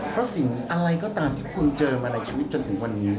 เพราะสิ่งอะไรก็ตามที่คุณเจอมาในชีวิตจนถึงวันนี้